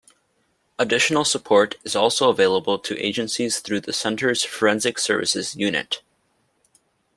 Additional support is also available to agencies through the Center's Forensic Services Unit.